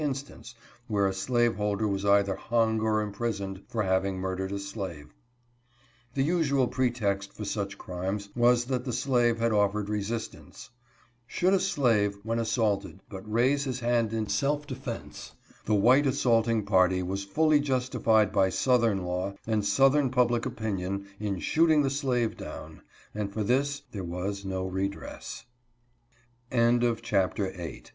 instance where a slaveholder was either hung or imprisoned for having murdered a slave. The usual pretext for such crimes was that the slave had offered resistance. Should a slave, when assaulted, but raise his hand in self defense, the white assaulting party was fully justified by southern law and southern public opinion in shooting the slave